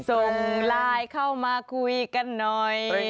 ส่งไลน์เข้ามาคุยกันหน่อย